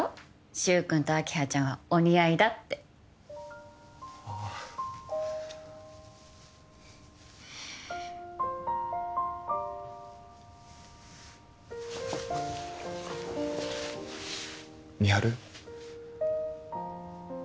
柊くんと明葉ちゃんはお似合いだってああ美晴